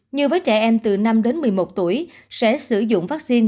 như với trẻ em từ năm đến một mươi một tuổi sẽ sử dụng vaccine